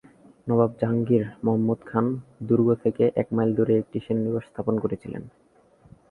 নবাব জাহাঙ্গীর মোহাম্মদ খান দুর্গ থেকে এক মাইল দূরে একটি সেনানিবাস স্থাপন করেছিলেন।